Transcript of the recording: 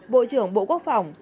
bộ trưởng bộ quốc phòng